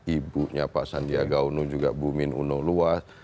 ibunya pak sandiaga uno juga bumin uno luas